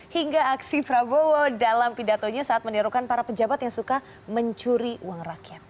hingga aksi prabowo dalam pidatonya saat menirukan para pejabat yang suka mencuri uang rakyat